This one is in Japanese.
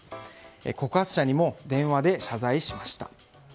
告発者にも電話で謝罪しました。